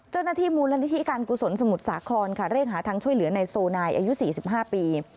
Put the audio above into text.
เจ้าหน้าที่มูลนิธิการกุศลสมุทรสาครค่ะเร่งหาทางช่วยเหลือในโซนายอายุ๔๕ปี